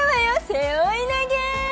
背負い投げ！